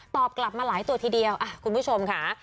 กลับมาหลายตัวทีเดียวคุณผู้ชมค่ะ